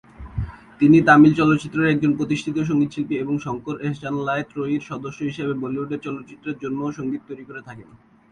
তিনি তামিল চলচ্চিত্রের একজন প্রতিষ্ঠিত সঙ্গীতশিল্পী এবং শঙ্কর-এহসান-লায় ত্রয়ীর সদস্য হিসেবে বলিউডের চলচ্চিত্রের জন্যও সঙ্গীত তৈরি করে থাকেন।